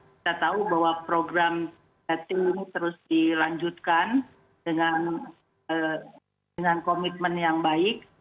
kita tahu bahwa program testing ini terus dilanjutkan dengan komitmen yang baik